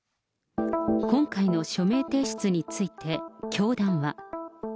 今回の署名提出について教団は。